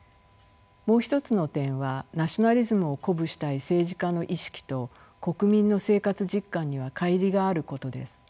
もう一つの点はナショナリズムを鼓舞したい政治家の意識と国民の生活実感には乖離があることです。